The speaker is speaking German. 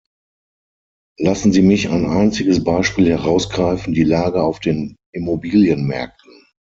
Lassen Sie mich ein einziges Beispiel herausgreifen die Lage auf den Immobilienmärkten.